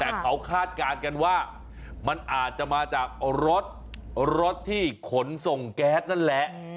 แต่เขาคาดการณ์กันว่ามันอาจจะมาจากรถรถที่ขนส่งแก๊สนั่นแหละ